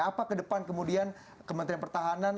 apa ke depan kemudian kementerian pertahanan